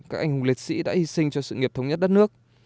các anh hùng liệt sĩ đã hy sinh cho sự nghiệp thống nhất đất nước